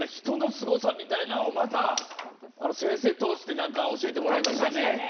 人のすごさみたいなのをまた先生通して教えてもらいましたね。